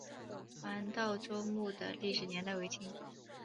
黄道周墓的历史年代为清。